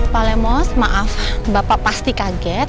pak lemos maaf bapak pasti kaget